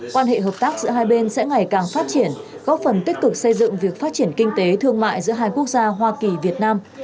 quan hệ hợp tác giữa hai bên sẽ ngày càng phát triển góp phần tích cực xây dựng việc phát triển kinh tế thương mại giữa hai quốc gia hoa kỳ việt nam